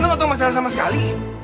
lo gak tau masalah sama sekali